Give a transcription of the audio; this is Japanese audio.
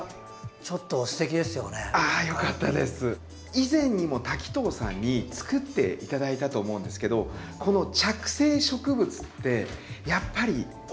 以前にも滝藤さんにつくって頂いたと思うんですけどこの着生植物ってやっぱり面白いんですよ。